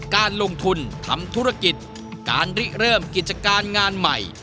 การลงทุนทำธุรกิจการริเริ่มกิจการงานใหม่